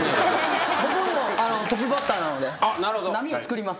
僕トップバッターなので波つくります。